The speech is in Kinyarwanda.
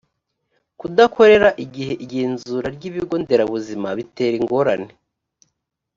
kudakorera igihe igenzura ry’ibigo nderabuzima bitera ingorane